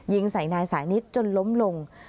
ยิงใส่นายสายนิดจนล้มลง